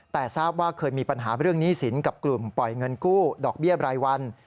แต่ทราบว่าเคยมีปัญหาเรื่องหนี้สินกับกลุ่มปล่อยเงินกู้ดอกเบี้ยบรายวัน